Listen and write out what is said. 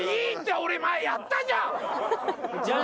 俺前やったじゃん。